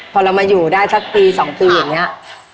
พอเรามาอยู่ได้สักปี๒ปีเงี้ย